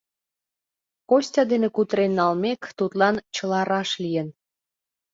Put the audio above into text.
Костя дене кутырен налмек тудлан чыла раш лийын.